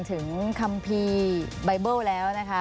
ถึงคัมภีร์แบบเลิศแล้วนะคะ